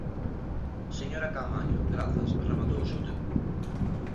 Señora Caamaño, grazas, rematou o seu tempo.